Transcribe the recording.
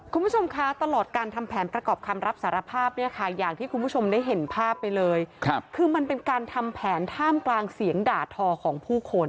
คุณผู้ชมคะตลอดการทำแผนประกอบคำรับสารภาพเนี่ยค่ะอย่างที่คุณผู้ชมได้เห็นภาพไปเลยคือมันเป็นการทำแผนท่ามกลางเสียงด่าทอของผู้คน